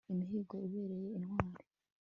imihigo ibereye intwari